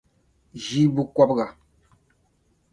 ʒii bukɔbiga.